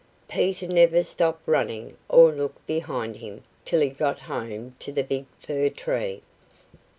Peter never stopped running or looked behind him till he got home to the big fir tree.